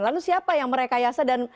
lalu siapa yang merekayasa dan